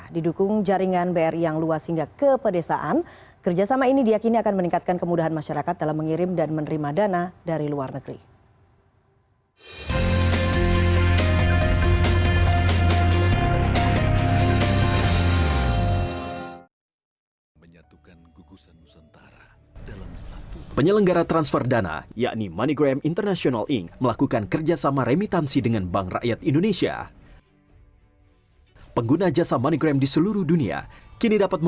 didukung jaringan bri yang luas hingga kepedesaan kerjasama ini diakini akan meningkatkan kemudahan masyarakat dalam mengirim dan menerima dana dari luar negeri